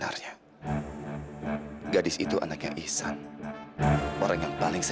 aku sudah berusaha bisa tanggalkan kau